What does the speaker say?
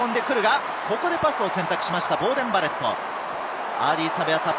パスを選択しました、ボーデン・バレット。